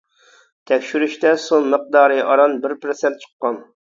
تەكشۈرۈشتە سۇ مىقدارى ئاران بىر پىرسەنت چىققان.